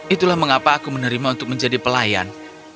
itulah mengapa aku menerima untuk menjadi pelayan